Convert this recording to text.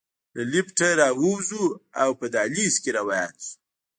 له لفټ نه راووځو او په دهلېز کې روان شو.